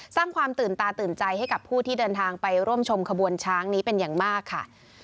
สร้างความตื่นตาตื่นใจให้กับผู้ที่เดินทางไปร่วมชมขบวนช้างนี้เป็นอย่างมากค่ะ